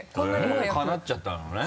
もうかなっちゃったのね？